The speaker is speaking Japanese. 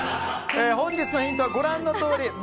本日のヒントはご覧のとおり。